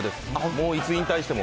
もう、いつ引退しても。